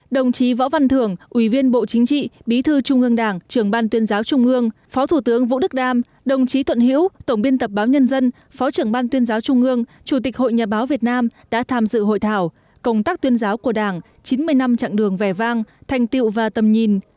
đồng chí võ văn thưởng ủy viên bộ chính trị bí thư trung ương đảng trưởng ban tuyên giáo trung ương phó thủ tướng vũ đức đam đồng chí thuận hiễu tổng biên tập báo nhân dân phó trưởng ban tuyên giáo trung ương chủ tịch hội nhà báo việt nam đã tham dự hội thảo công tác tuyên giáo của đảng chín mươi năm chặng đường vẻ vang thành tiệu và tầm nhìn